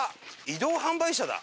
移動販売車だ。